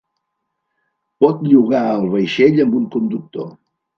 Pot llogar el vaixell amb un conductor.